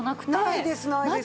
ないですないです。